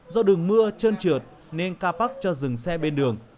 do đường mưa trơn trượt nên kha pak cho dừng xe bên đường